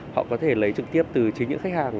họ có thể lấy trực tiếp từ chính những khách hàng